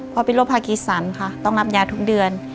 เป็นโรคภาคีสันค่ะต้องรับยาทุกเดือน